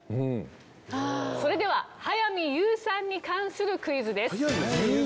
それでは早見優さんに関するクイズ？